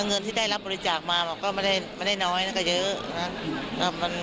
เงินที่ได้รับบริจาคมาบอกก็ไม่ได้น้อยนะก็เยอะนะ